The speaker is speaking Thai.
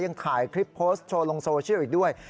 ยังถ่ายคลิปโพสต์โชว์ลงโซเชียลอีกด้วย